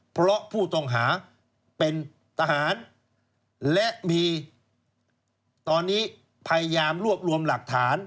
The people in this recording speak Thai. เพราะผู้ต้องหาเป็นทหารและมีตอนนี้พยายามรวบรวมหลักฐาน